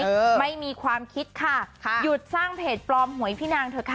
เออไม่มีความคิดค่ะค่ะหยุดสร้างเพจปลอมหวยพี่นางเถอะค่ะ